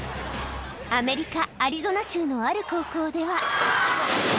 アメリカ・アリゾナ州のある高校では。